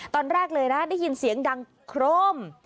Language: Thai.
ตอนแรกเลยนะได้ยินเสียงดังโครม